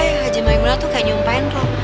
eh haji maimunah tuh kayak nyumpain ruf